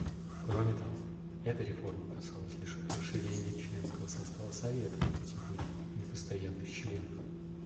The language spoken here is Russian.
Кроме того, эта реформа касалась лишь расширения членского состава Совета в категории непостоянных членов.